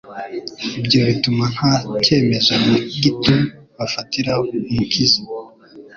ibyo bituma nta cyemezo na gito bafatira Umukiza.